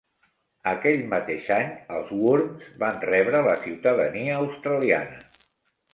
Aquell mateix any els Wurms van rebre la ciutadania australiana.